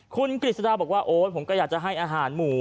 คุณกฤษฎาบอกว่าโอ๊ยผมก็อยากจะให้อาหารหมู